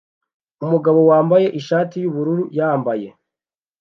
Umugabo wambaye ishati yubururu yambaye